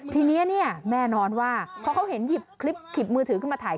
ทีนี้เนี่ยแน่นอนว่าพอเขาเห็นหยิบคลิปหยิบมือถือขึ้นมาถ่าย